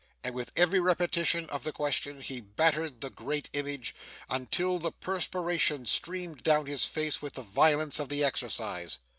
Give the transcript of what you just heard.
And with every repetition of the question, he battered the great image, until the perspiration streamed down his face with the violence of the exercise.